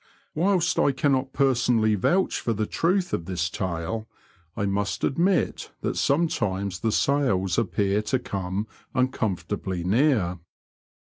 Whilst I cannot personally vouch for the truth of this tale, I must admit that sometimes the sails appear to come uncomfortably near.